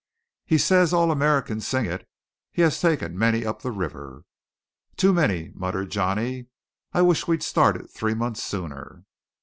"He says all Americans sing it. He has taken many up the river." "Too many," muttered Johnny. "I wish we'd started three months sooner."